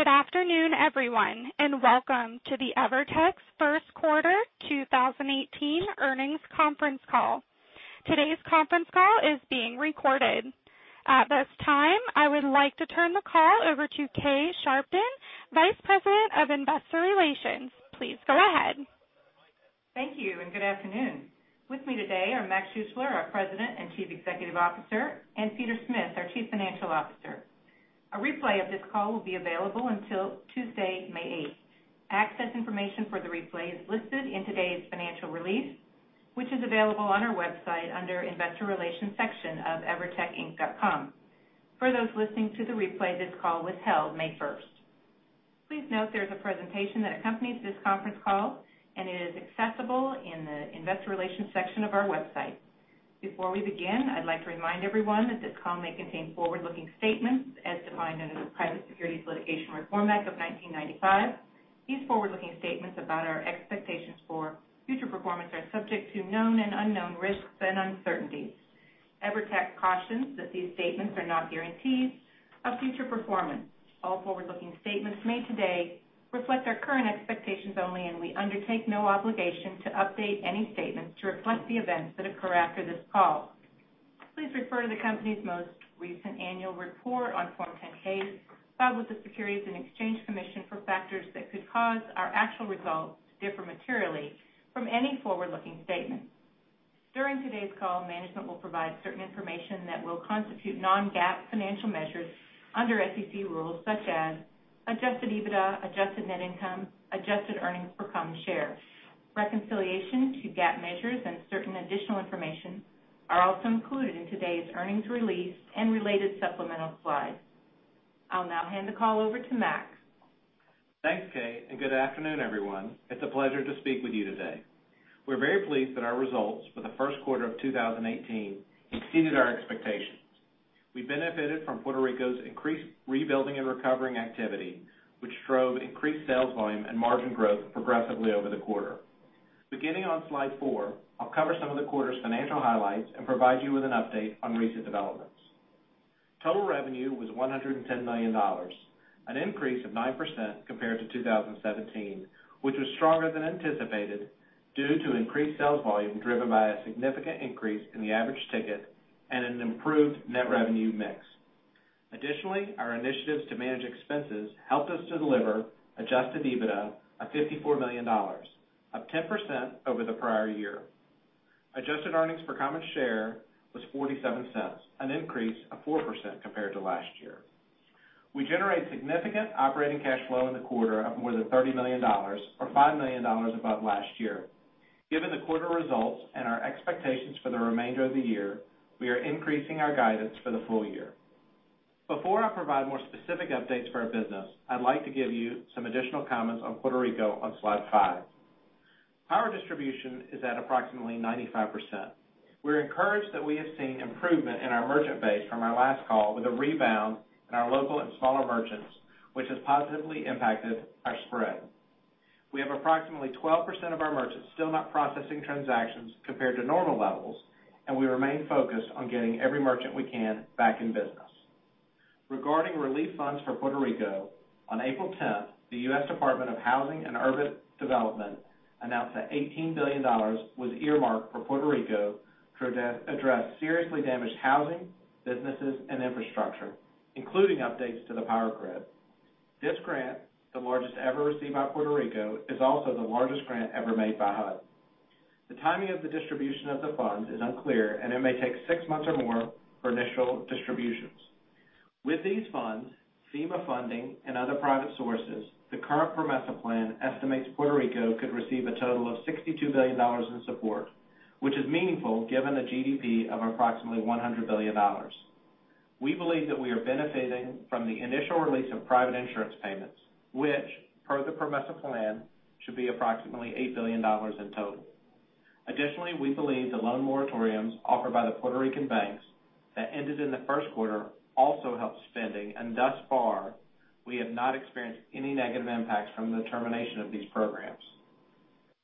Good afternoon, everyone, and welcome to the EVERTEC first quarter 2018 earnings conference call. Today's conference call is being recorded. At this time, I would like to turn the call over to Kay Sharpton, Vice President of Investor Relations. Please go ahead. Thank you, and good afternoon. With me today are Mac Schuessler, our President and Chief Executive Officer, and Peter Smith, our Chief Financial Officer. A replay of this call will be available until Tuesday, May 8th. Access information for the replay is listed in today's financial release, which is available on our website under Investor Relations section of evertecinc.com. For those listening to the replay, this call was held May 1st. Please note there is a presentation that accompanies this conference call, and it is accessible in the Investor Relations section of our website. Before we begin, I'd like to remind everyone that this call may contain forward-looking statements as defined under the Private Securities Litigation Reform Act of 1995. These forward-looking statements about our expectations for future performance are subject to known and unknown risks and uncertainties. EVERTEC cautions that these statements are not guarantees of future performance. All forward-looking statements made today reflect our current expectations only, and we undertake no obligation to update any statements to reflect the events that occur after this call. Please refer to the company's most recent annual report on Form 10-K filed with the Securities and Exchange Commission for factors that could cause our actual results to differ materially from any forward-looking statement. During today's call, management will provide certain information that will constitute non-GAAP financial measures under SEC rules such as adjusted EBITDA, adjusted net income, adjusted earnings per common share. Reconciliation to GAAP measures and certain additional information are also included in today's earnings release and related supplemental slides. I'll now hand the call over to Mac. Thanks, Kay, and good afternoon, everyone. It's a pleasure to speak with you today. We're very pleased that our results for the first quarter of 2018 exceeded our expectations. We benefited from Puerto Rico's increased rebuilding and recovering activity, which drove increased sales volume and margin growth progressively over the quarter. Beginning on slide four, I'll cover some of the quarter's financial highlights and provide you with an update on recent developments. Total revenue was $110 million, an increase of 9% compared to 2017, which was stronger than anticipated due to increased sales volume driven by a significant increase in the average ticket and an improved net revenue mix. Additionally, our initiatives to manage expenses helped us to deliver adjusted EBITDA of $54 million, up 10% over the prior year. Adjusted earnings per common share was $0.47, an increase of 4% compared to last year. We generated significant operating cash flow in the quarter of more than $30 million, or $5 million above last year. Given the quarter results and our expectations for the remainder of the year, we are increasing our guidance for the full year. Before I provide more specific updates for our business, I'd like to give you some additional comments on Puerto Rico on slide five. Power distribution is at approximately 95%. We are encouraged that we have seen improvement in our merchant base from our last call with a rebound in our local and smaller merchants, which has positively impacted our spread. We have approximately 12% of our merchants still not processing transactions compared to normal levels, and we remain focused on getting every merchant we can back in business. Regarding relief funds for Puerto Rico, on April 10, the U.S. Department of Housing and Urban Development announced that $18 billion was earmarked for Puerto Rico to address seriously damaged housing, businesses, and infrastructure, including updates to the power grid. This grant, the largest ever received by Puerto Rico, is also the largest grant ever made by HUD. The timing of the distribution of the funds is unclear, and it may take 6 months or more for initial distributions. With these funds, FEMA funding, and other private sources, the current PROMESA plan estimates Puerto Rico could receive a total of $62 billion in support, which is meaningful given the GDP of approximately $100 billion. We believe that we are benefiting from the initial release of private insurance payments, which, per the PROMESA plan, should be approximately $8 billion in total. Additionally, we believe the loan moratoriums offered by the Puerto Rican banks that ended in the first quarter also helped spending, and thus far, we have not experienced any negative impacts from the termination of these programs.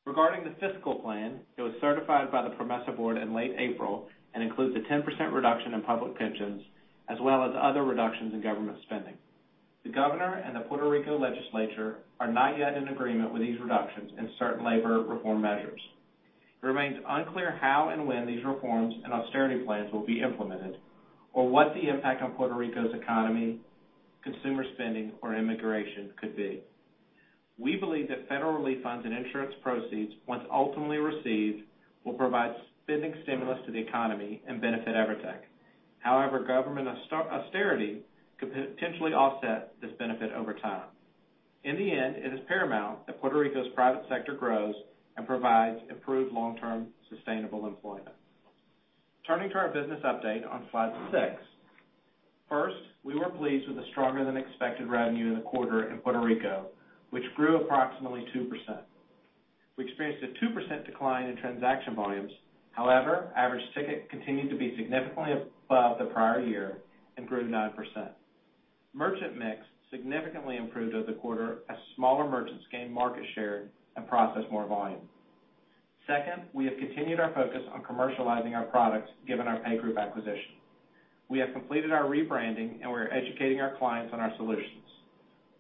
Regarding the fiscal plan, it was certified by the PROMESA board in late April and includes a 10% reduction in public pensions, as well as other reductions in government spending. The governor and the Puerto Rico legislature are not yet in agreement with these reductions in certain labor reform measures. It remains unclear how and when these reforms and austerity plans will be implemented or what the impact on Puerto Rico's economy, consumer spending, or immigration could be. We believe that federal relief funds and insurance proceeds, once ultimately received, will provide spending stimulus to the economy and benefit EVERTEC. Government austerity could potentially offset this benefit over time. In the end, it is paramount that Puerto Rico's private sector grows and provides improved long-term sustainable employment. Turning to our business update on slide six. First, we were pleased with the stronger-than-expected revenue in the quarter in Puerto Rico, which grew approximately 2%. We experienced a 2% decline in transaction volumes. Average ticket continued to be significantly above the prior year and grew 9%. Merchant mix significantly improved over the quarter as smaller merchants gained market share and processed more volume. Second, we have continued our focus on commercializing our products, given our PayGroup acquisition. We have completed our rebranding, and we are educating our clients on our solutions.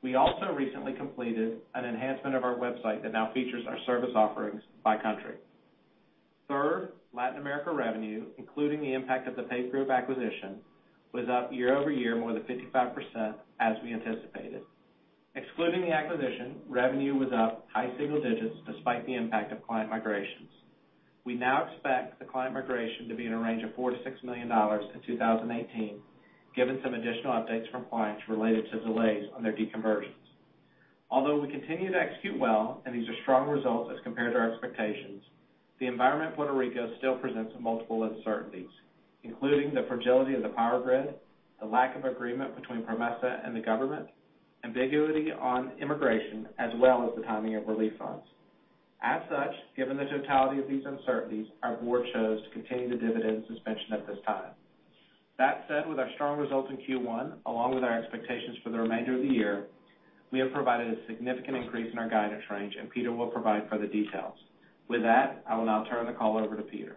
We also recently completed an enhancement of our website that now features our service offerings by country. Third, Latin America revenue, including the impact of the PayGroup acquisition, was up year-over-year more than 55%, as we anticipated. Excluding the acquisition, revenue was up high single digits despite the impact of client migrations. We now expect the client migration to be in a range of $4 million-$6 million in 2018, given some additional updates from clients related to delays on their deconversions. Although we continue to execute well and these are strong results as compared to our expectations, the environment in Puerto Rico still presents multiple uncertainties, including the fragility of the power grid, the lack of agreement between PROMESA and the government, ambiguity on immigration, as well as the timing of relief funds. As such, given the totality of these uncertainties, our board chose to continue the dividend suspension at this time. That said, with our strong results in Q1, along with our expectations for the remainder of the year, we have provided a significant increase in our guidance range. Peter will provide further details. With that, I will now turn the call over to Peter.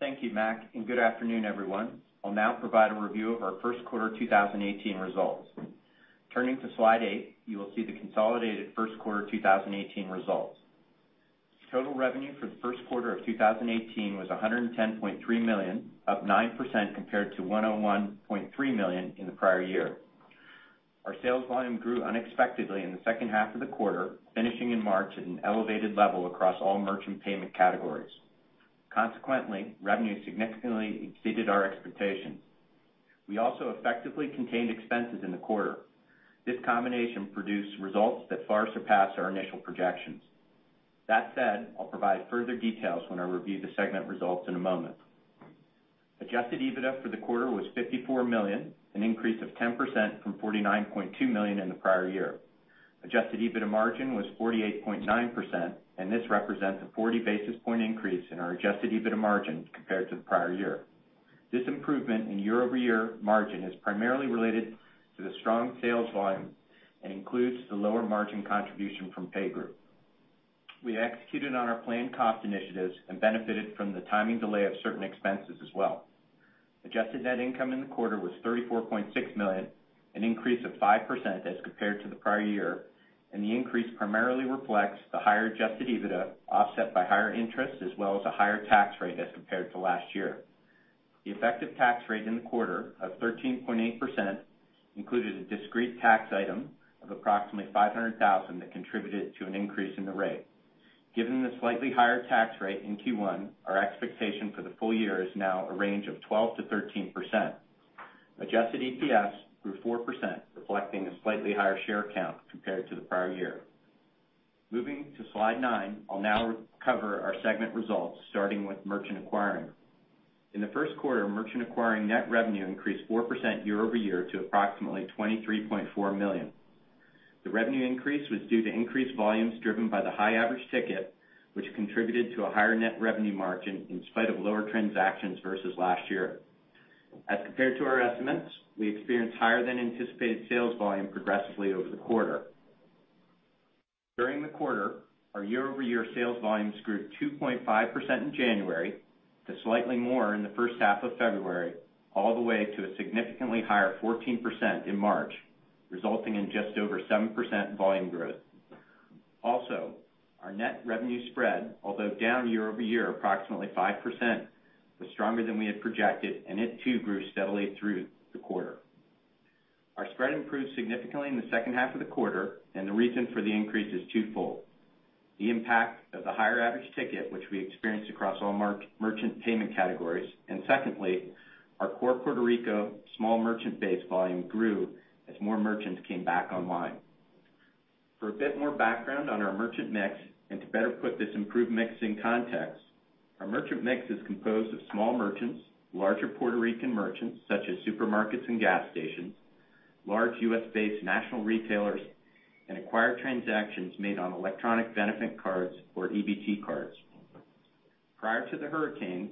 Thank you, Mac, and good afternoon, everyone. I will now provide a review of our first quarter 2018 results. Turning to slide eight, you will see the consolidated first quarter 2018 results. Total revenue for the first quarter of 2018 was $110.3 million, up 9% compared to $101.3 million in the prior year. Our sales volume grew unexpectedly in the second half of the quarter, finishing in March at an elevated level across all merchant payment categories. Consequently, revenue significantly exceeded our expectations. We also effectively contained expenses in the quarter. This combination produced results that far surpassed our initial projections. That said, I will provide further details when I review the segment results in a moment. Adjusted EBITDA for the quarter was $54 million, an increase of 10% from $49.2 million in the prior year. Adjusted EBITDA margin was 48.9%. This represents a 40 basis point increase in our Adjusted EBITDA margin compared to the prior year. This improvement in year-over-year margin is primarily related to the strong sales volume and includes the lower margin contribution from PayGroup. We executed on our planned cost initiatives and benefited from the timing delay of certain expenses as well. Adjusted net income in the quarter was $34.6 million, an increase of 5% as compared to the prior year. The increase primarily reflects the higher Adjusted EBITDA offset by higher interest, as well as a higher tax rate as compared to last year. The effective tax rate in the quarter of 13.8% included a discrete tax item of approximately $500,000 that contributed to an increase in the rate. Given the slightly higher tax rate in Q1, our expectation for the full year is now a range of 12%-13%. Adjusted EPS grew 4%, reflecting a slightly higher share count compared to the prior year. Moving to slide nine, I will now cover our segment results, starting with merchant acquiring. In the first quarter, merchant acquiring net revenue increased 4% year-over-year to approximately $23.4 million. The revenue increase was due to increased volumes driven by the high average ticket, which contributed to a higher net revenue margin in spite of lower transactions versus last year. As compared to our estimates, we experienced higher-than-anticipated sales volume progressively over the quarter. During the quarter, our year-over-year sales volumes grew 2.5% in January to slightly more in the first half of February, all the way to a significantly higher 14% in March, resulting in just over 7% volume growth. Our net revenue spread, although down year-over-year approximately 5%, was stronger than we had projected, and it too grew steadily through the quarter. Our spread improved significantly in the second half of the quarter, and the reason for the increase is twofold. The impact of the higher average ticket, which we experienced across all merchant payment categories. Secondly, our core Puerto Rico small merchant base volume grew as more merchants came back online. For a bit more background on our merchant mix and to better put this improved mix in context, our merchant mix is composed of small merchants, larger Puerto Rican merchants, such as supermarkets and gas stations, large U.S.-based national retailers, and acquired transactions made on electronic benefit cards or EBT cards. Prior to the hurricanes,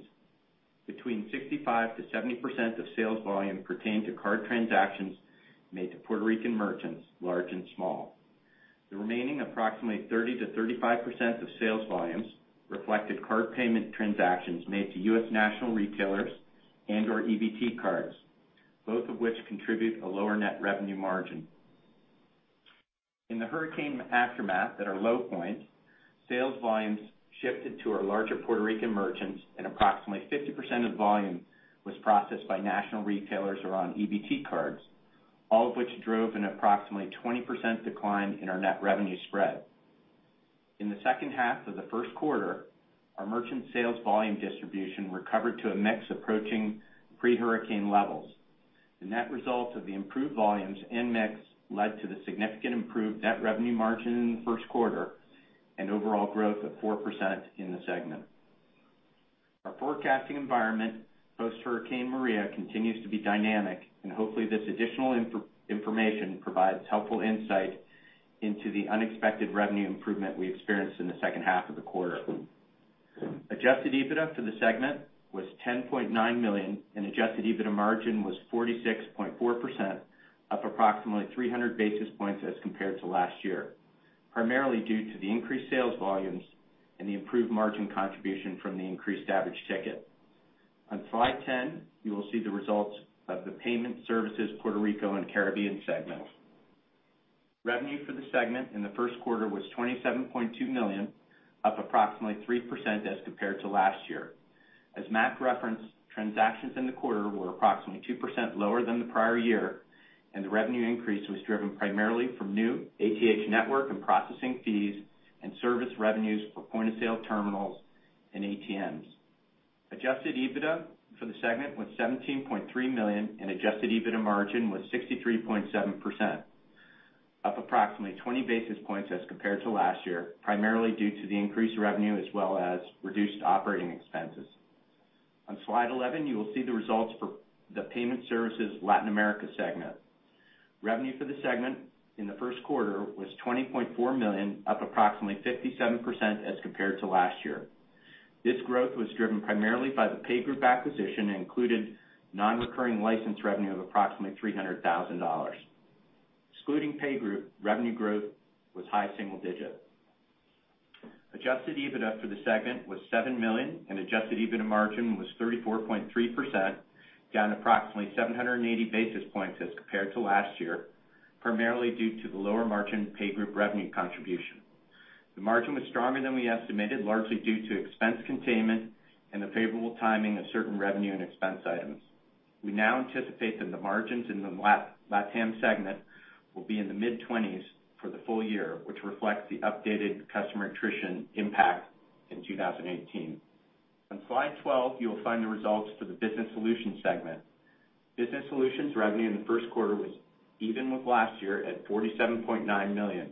between 65%-70% of sales volume pertained to card transactions made to Puerto Rican merchants, large and small. The remaining approximately 30%-35% of sales volumes reflected card payment transactions made to U.S. national retailers and/or EBT cards, both of which contribute a lower net revenue margin. In the Hurricane Maria aftermath at our low point, sales volumes shifted to our larger Puerto Rican merchants and approximately 50% of volume was processed by national retailers or on EBT cards, all of which drove an approximately 20% decline in our net revenue spread. In the second half of the first quarter, our merchant sales volume distribution recovered to a mix approaching pre-hurricane levels. The net results of the improved volumes and mix led to the significant improved net revenue margin in the first quarter and overall growth of 4% in the segment. Our forecasting environment post Hurricane Maria continues to be dynamic, hopefully this additional information provides helpful insight into the unexpected revenue improvement we experienced in the second half of the quarter. Adjusted EBITDA for the segment was $10.9 million, adjusted EBITDA margin was 46.4%, up approximately 300 basis points as compared to last year, primarily due to the increased sales volumes and the improved margin contribution from the increased average ticket. On slide 10, you will see the results of the Payment Services Puerto Rico and Caribbean segment. Revenue for the segment in the first quarter was $27.2 million, up approximately 3% as compared to last year. As Mac referenced, transactions in the quarter were approximately 2% lower than the prior year, the revenue increase was driven primarily from new ATH network and processing fees and service revenues for point-of-sale terminals and ATMs. Adjusted EBITDA for the segment was $17.3 million and adjusted EBITDA margin was 63.7%, up approximately 20 basis points as compared to last year, primarily due to the increased revenue as well as reduced operating expenses. On slide 11, you will see the results for the Payment Services Latin America segment. Revenue for the segment in the first quarter was $20.4 million, up approximately 57% as compared to last year. This growth was driven primarily by the PayGroup acquisition and included non-recurring license revenue of approximately $300,000. Excluding PayGroup, revenue growth was high single digit. Adjusted EBITDA for the segment was $7 million and adjusted EBITDA margin was 34.3%, down approximately 780 basis points as compared to last year, primarily due to the lower margin PayGroup revenue contribution. The margin was stronger than we estimated, largely due to expense containment and the favorable timing of certain revenue and expense items. We now anticipate that the margins in the LatAm segment will be in the mid-20s for the full year, which reflects the updated customer attrition impact in 2018. On slide 12, you will find the results for the Business Solutions segment. Business Solutions revenue in the first quarter was even with last year at $47.9 million.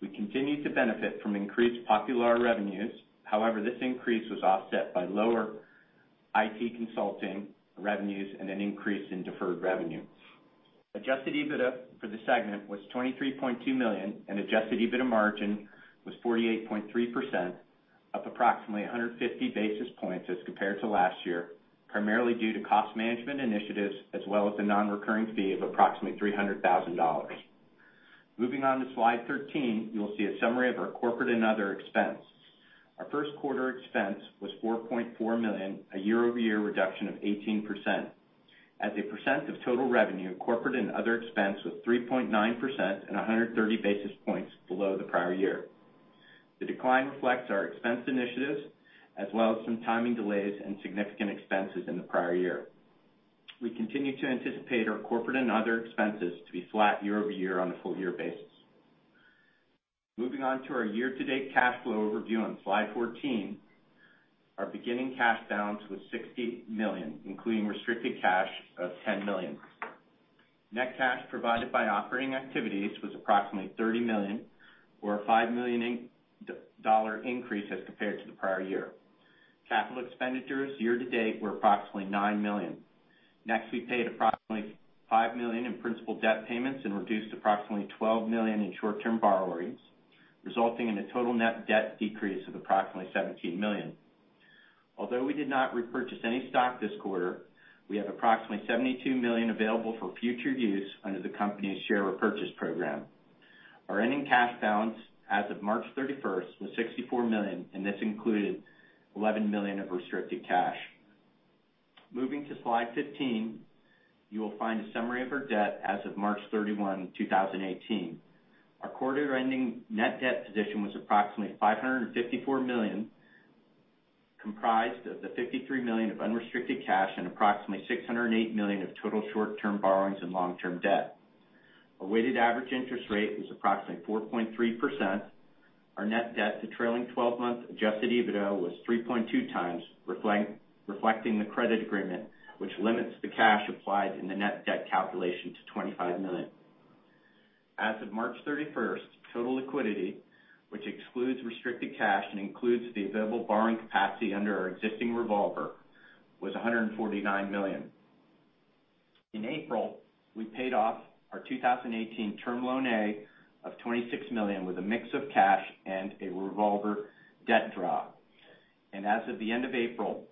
We continued to benefit from increased Popular revenues. However, this increase was offset by lower IT consulting revenues and an increase in deferred revenue. Adjusted EBITDA for the segment was $23.2 million and adjusted EBITDA margin was 48.3%, up approximately 150 basis points as compared to last year, primarily due to cost management initiatives as well as the non-recurring fee of approximately $300,000. Moving on to slide 13, you will see a summary of our corporate and other expense. Our first quarter expense was $4.4 million, a year-over-year reduction of 18%. As a percent of total revenue, corporate and other expense was 3.9% and 130 basis points below the prior year. The decline reflects our expense initiatives as well as some timing delays and significant expenses in the prior year. We continue to anticipate our corporate and other expenses to be flat year-over-year on a full year basis. Moving on to our year-to-date cash flow overview on slide 14. Our beginning cash balance was $60 million, including restricted cash of $10 million. Net cash provided by operating activities was approximately $30 million or a $5 million increase as compared to the prior year. Capital expenditures year to date were approximately $9 million. We paid approximately $5 million in principal debt payments and reduced approximately $12 million in short-term borrowings, resulting in a total net debt decrease of approximately $17 million. Although we did not repurchase any stock this quarter, we have approximately $72 million available for future use under the company's share repurchase program. Our ending cash balance as of March 31st was $64 million, and this included $11 million of restricted cash. Moving to slide 15, you will find a summary of our debt as of March 31, 2018. Our quarter-ending net debt position was approximately $554 million, comprised of the $53 million of unrestricted cash and approximately $608 million of total short-term borrowings and long-term debt. A weighted average interest rate was approximately 4.3%. Our net debt to trailing 12-month adjusted EBITDA was 3.2 times, reflecting the credit agreement, which limits the cash applied in the net debt calculation to $25 million. As of March 31st, total liquidity, which excludes restricted cash and includes the available borrowing capacity under our existing revolver, was $149 million. In April, we paid off our 2018 Term Loan A of $26 million with a mix of cash and a revolver debt draw. As of the end of April,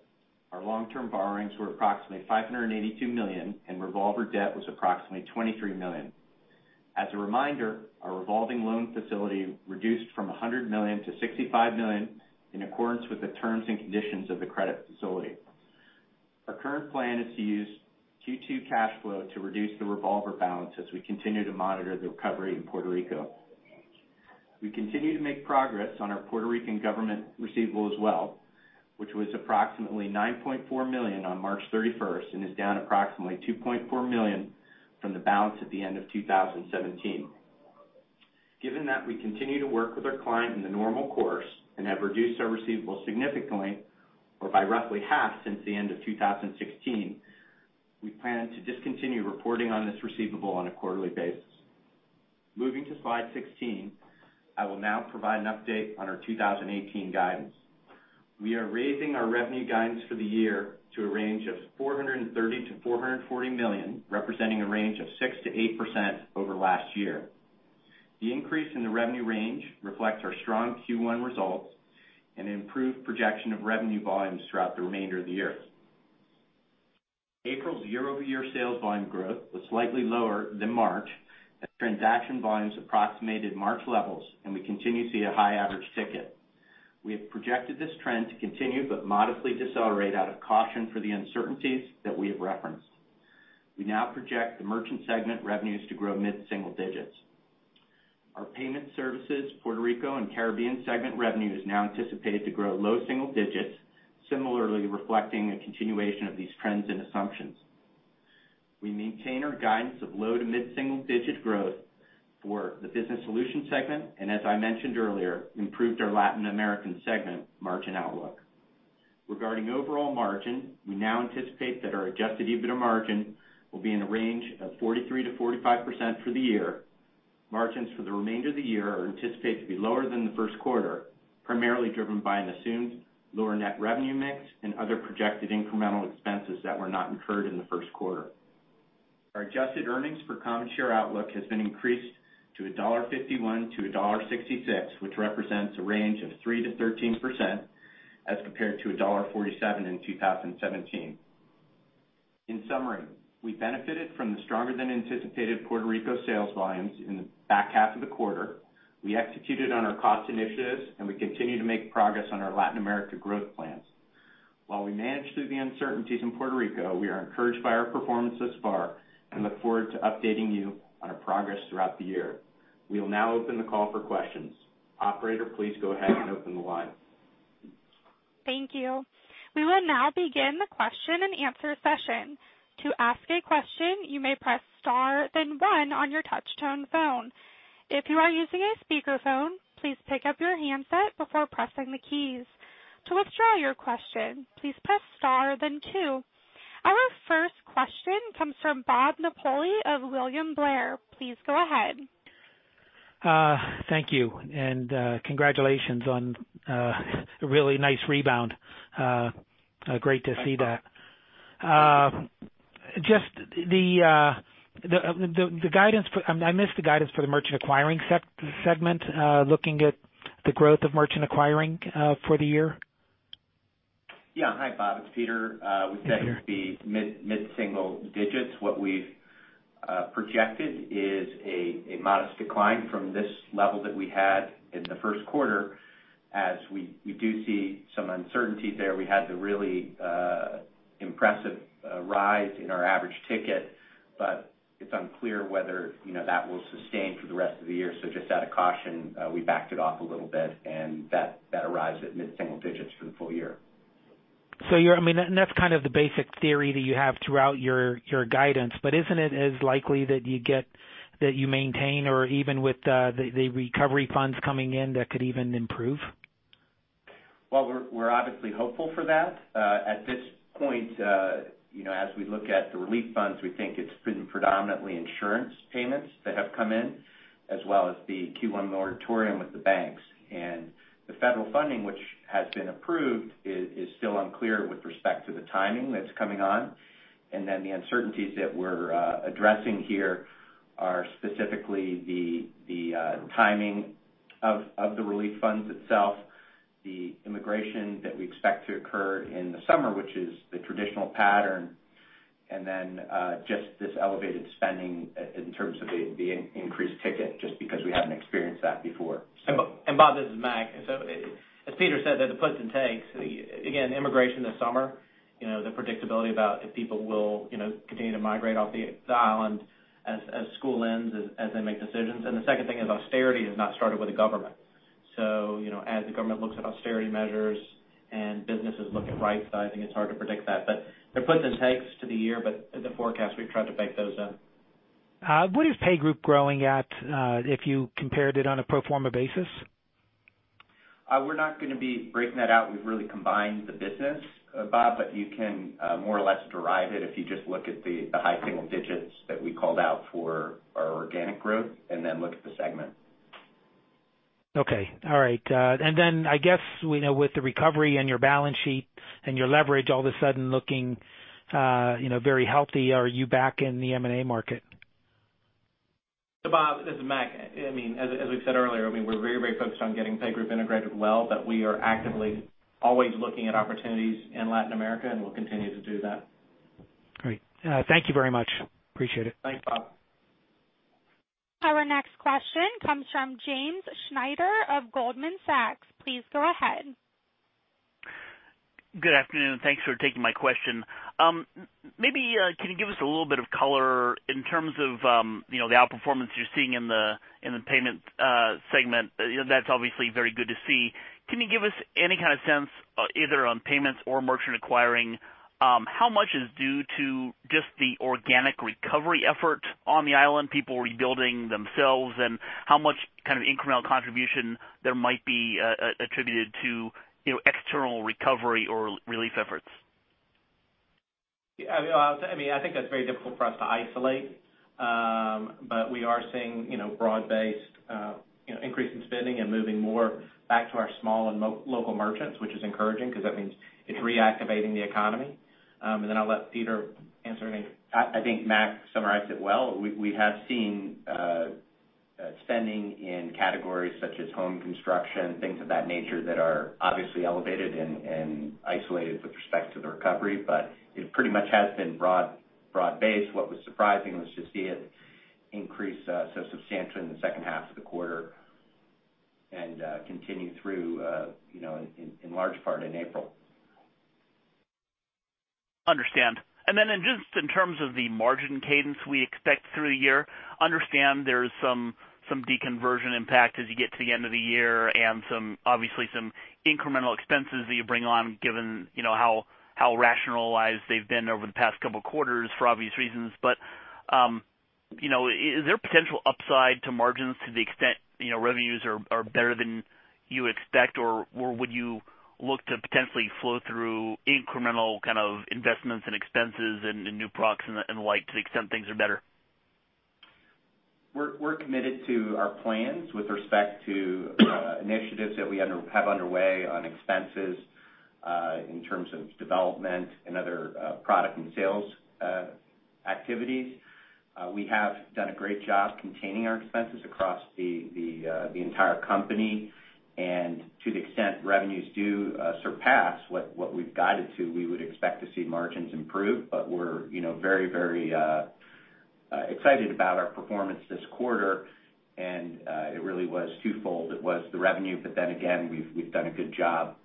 our long-term borrowings were approximately $582 million and revolver debt was approximately $23 million. As a reminder, our revolving loan facility reduced from $100 million to $65 million in accordance with the terms and conditions of the credit facility. Our current plan is to use Q2 cash flow to reduce the revolver balance as we continue to monitor the recovery in Puerto Rico. We continue to make progress on our Puerto Rican government receivable as well, which was approximately $9.4 million on March 31st and is down approximately $2.4 million from the balance at the end of 2017. Given that we continue to work with our client in the normal course and have reduced our receivable significantly or by roughly half since the end of 2016, we plan to discontinue reporting on this receivable on a quarterly basis. Moving to slide 16, I will now provide an update on our 2018 guidance. We are raising our revenue guidance for the year to a range of $430 million-$440 million, representing a range of 6%-8% over last year. The increase in the revenue range reflects our strong Q1 results and improved projection of revenue volumes throughout the remainder of the year. April's year-over-year sales volume growth was slightly lower than March, as transaction volumes approximated March levels, and we continue to see a high average ticket. We have projected this trend to continue but modestly decelerate out of caution for the uncertainties that we have referenced. We now project the Merchant segment revenues to grow mid-single digits. Our Payment Services, Puerto Rico, and Caribbean segment revenues now anticipated to grow low single digits, similarly reflecting a continuation of these trends and assumptions. We maintain our guidance of low-to-mid single-digit growth for the Business Solutions segment, and as I mentioned earlier, improved our Latin American segment margin outlook. Regarding overall margin, we now anticipate that our adjusted EBITDA margin will be in the range of 43%-45% for the year. Margins for the remainder of the year are anticipated to be lower than the first quarter, primarily driven by an assumed lower net revenue mix and other projected incremental expenses that were not incurred in the first quarter. Our adjusted earnings per common share outlook has been increased to $1.51-$1.66, which represents a range of 3%-13% as compared to $1.47 in 2017. In summary, we benefited from the stronger than anticipated Puerto Rico sales volumes in the back half of the quarter. We executed on our cost initiatives, and we continue to make progress on our Latin America growth plans. While we manage through the uncertainties in Puerto Rico, we are encouraged by our performance thus far and look forward to updating you on our progress throughout the year. We will now open the call for questions. Operator, please go ahead and open the line. Thank you. We will now begin the question and answer session. To ask a question, you may press star, then one on your touch-tone phone. If you are using a speakerphone, please pick up your handset before pressing the keys. To withdraw your question, please press star, then two. Our first question comes from Robert Napoli of William Blair. Please go ahead. Thank you, congratulations on a really nice rebound. Great to see that. Thanks, Bob. I missed the guidance for the Merchant Acquiring Segment, looking at the growth of Merchant Acquiring for the year. Hi, Robert. It's Peter. We said it would be mid-single digits. What we've projected is a modest decline from this level that we had in the first quarter, as we do see some uncertainty there. We had the really impressive rise in our average ticket, but it's unclear whether that will sustain for the rest of the year. Just out of caution, we backed it off a little bit, and that arrives at mid-single digits for the full year. That's kind of the basic theory that you have throughout your guidance. Isn't it as likely that you maintain, or even with the recovery funds coming in, that could even improve? Well, we're obviously hopeful for that. At this point, as we look at the relief funds, we think it's been predominantly insurance payments that have come in as well as the Q1 moratorium with the banks. The federal funding, which has been approved, is still unclear with respect to the timing that's coming on. The uncertainties that we're addressing here are specifically the timing of the relief funds itself, the immigration that we expect to occur in the summer, which is the traditional pattern, and then just this elevated spending in terms of the increased ticket, just because we haven't experienced that before. Robert, this is Mac Schuessler. As Peter said, there's puts and takes. Again, immigration this summer, the predictability about if people will continue to migrate off the island as school ends, as they make decisions. The second thing is austerity has not started with the government. As the government looks at austerity measures and businesses look at rightsizing, it's hard to predict that. There are puts and takes to the year. In the forecast, we've tried to bake those in. What is PayGroup growing at if you compared it on a pro forma basis? We're not going to be breaking that out. We've really combined the business, Bob, but you can more or less derive it if you just look at the high single digits that we called out for our organic growth and then look at the segment. Okay. All right. I guess we know with the recovery and your balance sheet and your leverage all of a sudden looking very healthy, are you back in the M&A market? Bob, this is Mac. As we've said earlier, we're very focused on getting PayGroup integrated well, but we are actively always looking at opportunities in Latin America, and we'll continue to do that. Great. Thank you very much. Appreciate it. Thanks, Bob. Our next question comes from James Schneider of Goldman Sachs. Please go ahead. Good afternoon. Thanks for taking my question. Maybe can you give us a little bit of color in terms of the outperformance you're seeing in the Payments segment? That's obviously very good to see. Can you give us any kind of sense, either on payments or merchant acquiring, how much is due to just the organic recovery effort on the island, people rebuilding themselves, and how much kind of incremental contribution there might be attributed to external recovery or relief efforts? I think that's very difficult for us to isolate. We are seeing broad-based increase in spending and moving more back to our small and local merchants, which is encouraging because that means it's reactivating the economy. I'll let Peter answer. I think Mac summarized it well. We have seen spending in categories such as home construction, things of that nature that are obviously elevated and isolated with respect to the recovery. It pretty much has been broad-based. What was surprising was to see it increase so substantially in the second half of the quarter and continue through in large part in April. Understand. Just in terms of the margin cadence we expect through the year, understand there's some de-conversion impact as you get to the end of the year and obviously some incremental expenses that you bring on given how rationalized they've been over the past couple of quarters for obvious reasons. Is there potential upside to margins to the extent revenues are better than you expect? Would you look to potentially flow through incremental kind of investments and expenses and new products and the like to the extent things are better? We're committed to our plans with respect to initiatives that we have underway on expenses in terms of development and other product and sales activities. We have done a great job containing our expenses across the entire company. To the extent revenues do surpass what we've guided to, we would expect to see margins improve. We're very excited about our performance this quarter. It really was twofold. It was the revenue, again, we've done a good job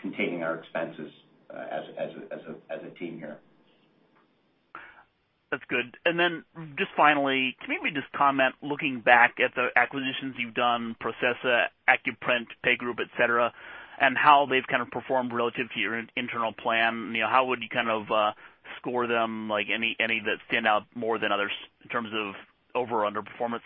containing our expenses as a team here. That's good. Just finally, can you maybe just comment, looking back at the acquisitions you've done, Processa, Accuprint, PayGroup, et cetera, and how they've kind of performed relative to your internal plan. How would you kind of score them? Any that stand out more than others in terms of over or underperformance?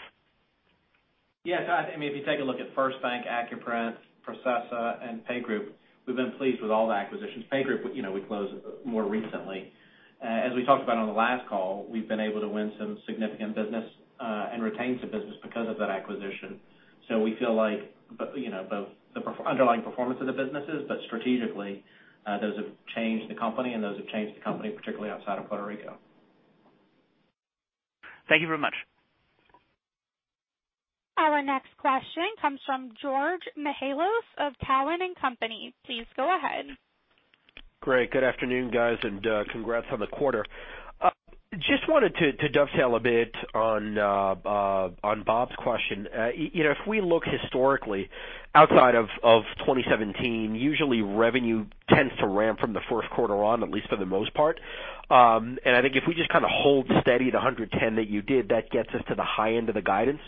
Yes. I mean, if you take a look at FirstBank, Accuprint, Processa and PayGroup, we've been pleased with all the acquisitions. PayGroup we closed more recently. As we talked about on the last call, we've been able to win some significant business and retain some business because of that acquisition. We feel like both the underlying performance of the businesses, but strategically, those have changed the company and those have changed the company, particularly outside of Puerto Rico. Thank you very much. Our next question comes from Georgios Mihalos of Cowen and Company. Please go ahead. Great. Good afternoon, guys, and congrats on the quarter. Just wanted to dovetail a bit on Bob's question. If we look historically outside of 2017, usually revenue tends to ramp from the first quarter on, at least for the most part. I think if we just kind of hold steady the $110 that you did, that gets us to the high end of the guidance.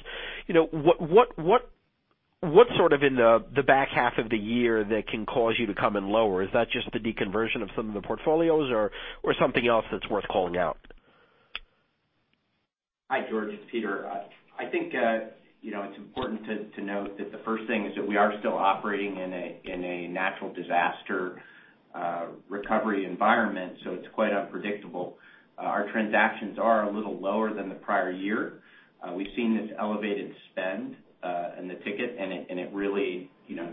What's sort of in the back half of the year that can cause you to come in lower? Is that just the de-conversion of some of the portfolios or something else that's worth calling out? Hi, George, it's Peter. I think it's important to note that the first thing is that we are still operating in a natural disaster recovery environment, so it's quite unpredictable. Our transactions are a little lower than the prior year. We've seen this elevated spend in the ticket, and it really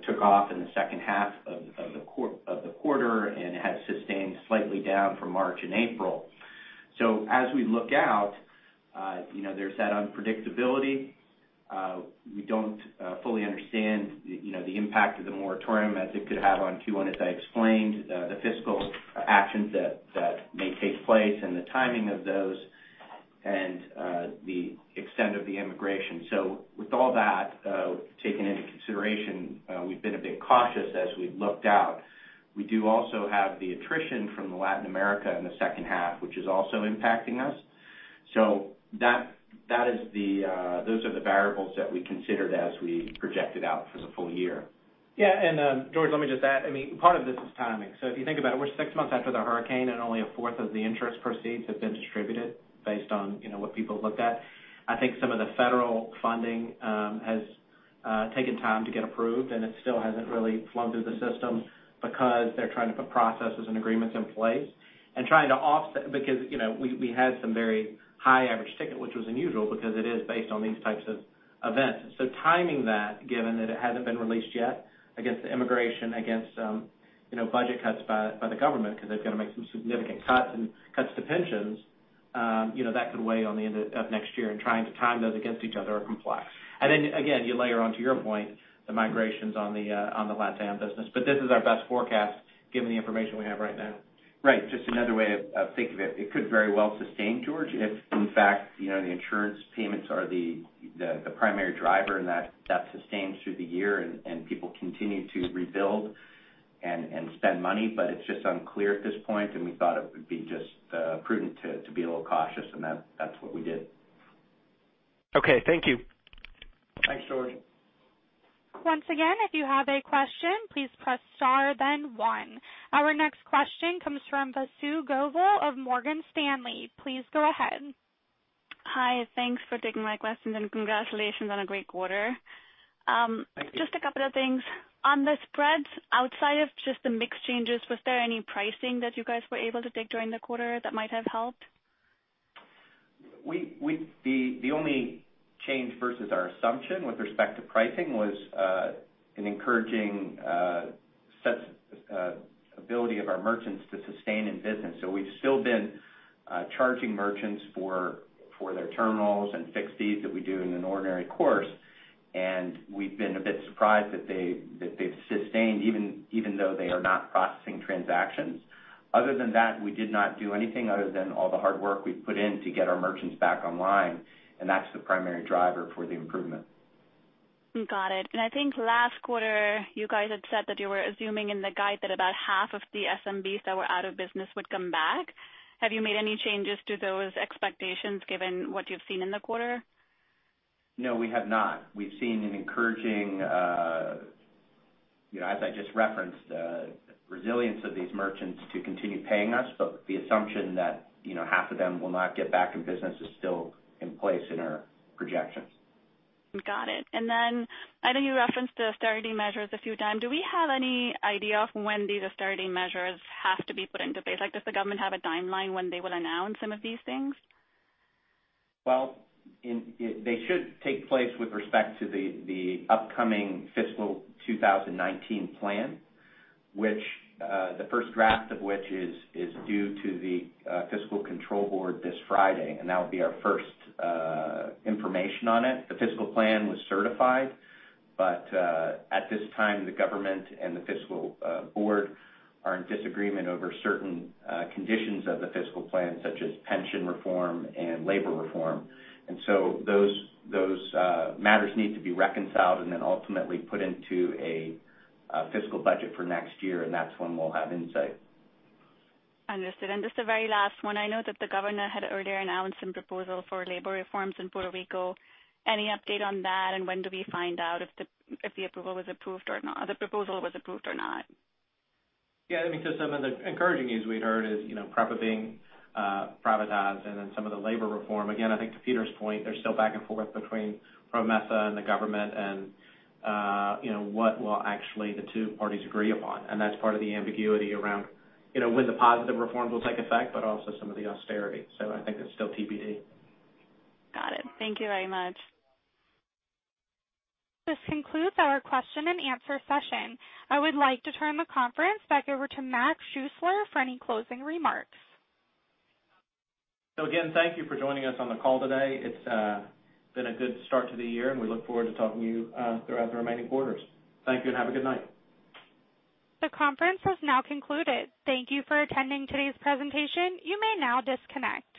took off in the second half of the quarter and has sustained slightly down for March and April. As we look out there's that unpredictability. We don't fully understand the impact of the moratorium as it could have on Q1, as I explained, the fiscal actions that may take place and the timing of those and the extent of the immigration. With all that taken into consideration, we've been a bit cautious as we've looked out. We do also have the attrition from Latin America in the second half, which is also impacting us. Those are the variables that we considered as we projected out for the full year. Yeah. George, let me just add, part of this is timing. If you think about it, we're six months after the hurricane, and only a fourth of the insurance proceeds have been distributed based on what people have looked at. I think some of the federal funding has taken time to get approved, and it still hasn't really flown through the system because they're trying to put processes and agreements in place and trying to offset because we had some very high average ticket, which was unusual because it is based on these types of events. Timing that, given that it hasn't been released yet against the immigration, against budget cuts by the government because they've got to make some significant cuts and cuts to pensions that could weigh on the end of next year and trying to time those against each other are complex. Again, you layer onto your point the migrations on the LatAm business. This is our best forecast given the information we have right now. Right. Just another way of thinking of it. It could very well sustain, George, if in fact the insurance payments are the primary driver and that sustains through the year and people continue to rebuild and spend money. It's just unclear at this point, and we thought it would be just prudent to be a little cautious, and that's what we did. Okay. Thank you. Thanks, George. Once again, if you have a question, please press star then one. Our next question comes from Vasundhara Govil of Morgan Stanley. Please go ahead. Hi. Thanks for taking my questions and congratulations on a great quarter. Thank you. Just a couple of things. On the spreads outside of just the mix changes, was there any pricing that you guys were able to take during the quarter that might have helped? The only change versus our assumption with respect to pricing was an encouraging ability of our merchants to sustain in business. We've still been charging merchants for their terminals and fixed fees that we do in an ordinary course. We've been a bit surprised that they've sustained, even though they are not processing transactions. Other than that, we did not do anything other than all the hard work we've put in to get our merchants back online, that's the primary driver for the improvement. Got it. I think last quarter you guys had said that you were assuming in the guide that about half of the SMBs that were out of business would come back. Have you made any changes to those expectations given what you've seen in the quarter? No, we have not. We've seen an encouraging, as I just referenced, resilience of these merchants to continue paying us. The assumption that half of them will not get back in business is still in place in our projections. Got it. I know you referenced the austerity measures a few times. Do we have any idea of when these austerity measures have to be put into place? Does the government have a timeline when they will announce some of these things? They should take place with respect to the upcoming fiscal 2019 plan, the first draft of which is due to the Fiscal Control Board this Friday, and that will be our first information on it. The fiscal plan was certified, but at this time, the government and the Fiscal Board are in disagreement over certain conditions of the fiscal plan, such as pension reform and labor reform. Those matters need to be reconciled and then ultimately put into a fiscal budget for next year, and that's when we'll have insight. Understood. Just the very last one. I know that the governor had earlier announced some proposal for labor reforms in Puerto Rico. Any update on that? When do we find out if the proposal was approved or not? Yeah, I mean, some of the encouraging news we'd heard is PREPA being privatized and then some of the labor reform. Again, I think to Peter's point, there's still back and forth between PROMESA and the government and what will actually the two parties agree upon. That's part of the ambiguity around when the positive reforms will take effect, but also some of the austerity. I think it's still TBD. Got it. Thank you very much. This concludes our question and answer session. I would like to turn the conference back over to Mac Schuessler for any closing remarks. Again, thank you for joining us on the call today. It's been a good start to the year, and we look forward to talking to you throughout the remaining quarters. Thank you and have a good night. The conference has now concluded. Thank you for attending today's presentation. You may now disconnect.